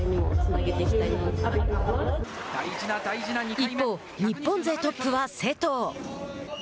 一方、日本勢トップは勢藤。